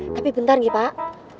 tapi bentar ya pak